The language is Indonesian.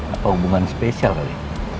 apa hubungan spesial kali